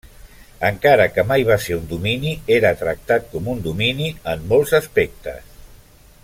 Encara que mai va ser un domini, era tractat com un domini en molts aspectes.